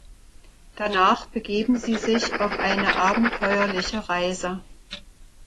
Danach begeben sie sich auf eine abenteuerliche Reise.